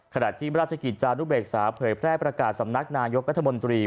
ขณะที่ราชกิจจานุเบกษาเผยแพร่ประกาศสำนักนายกรัฐมนตรี